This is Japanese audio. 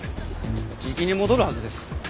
じきに戻るはずです。